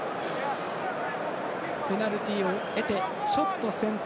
ペナルティを得てショット選択。